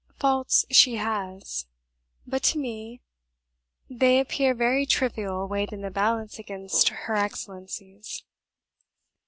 Faults she has; but to me they appear very trivial weighed in the balance against her excellences."